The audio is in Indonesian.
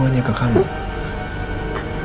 untuk ceritakan ini ke kamu